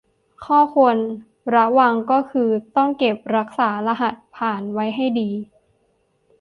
ข้อควรระวังก็คือต้องเก็บรักษารหัสผ่านไว้ให้ดี